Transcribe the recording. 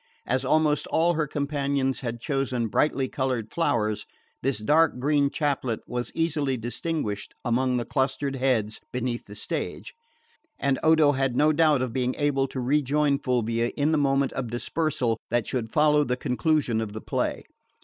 As almost all her companions had chosen brightly coloured flowers this dark green chaplet was easily distinguished among the clustered heads beneath the stage, and Odo had no doubt of being able to rejoin Fulvia in the moment of dispersal that should follow the conclusion of the play.